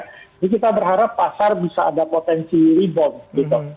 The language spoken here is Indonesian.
jadi kita berharap pasar bisa ada potensi rebound gitu